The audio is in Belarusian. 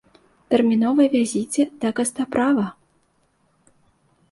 Тэрмінова вязіце да кастаправа!